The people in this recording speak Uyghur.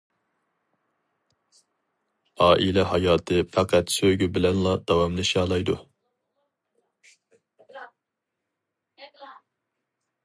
ئائىلە ھاياتى پەقەت سۆيگۈ بىلەنلا داۋاملىشالايدۇ.